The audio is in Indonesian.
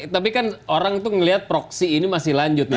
tapi kan orang itu melihat proksi ini masih lanjut